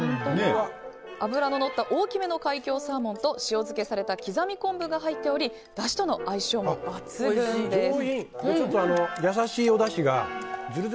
脂ののった大きめの海峡サーモンと塩漬けされた刻み昆布が入っておりだしとの相性も抜群です。